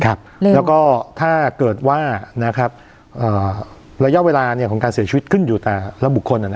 แล้วก็ถ้าเกิดว่าระยะเวลาของการเสียชีวิตขึ้นอยู่แต่ละบุคคล